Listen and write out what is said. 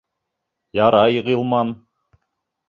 Ярай, Ғилман!